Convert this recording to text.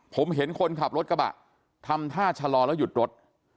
ผมเห็นคนขับรถกระบะทำท่าชะลอแล้วหยุดรถ